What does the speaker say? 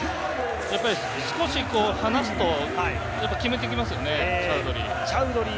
少し離すと決めてきますよね、チャウドリー。